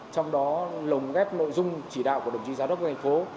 trong đó lồng ghép nội dung chỉ đạo của đồng chí giáo đốc với thành phố